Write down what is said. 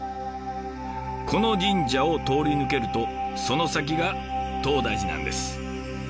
この神社を通り抜けるとその先が東大寺なんです。